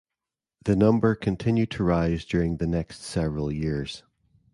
The number continued to rise during the next several years.